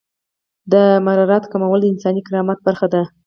د مرارت کمول د انساني کرامت برخه ده.